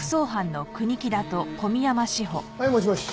はいもしもし。